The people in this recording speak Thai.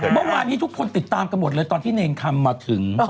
เมื่อวานนี้ทุกคนติดตามกันหมดเลยตอนที่เนรคำมาถึง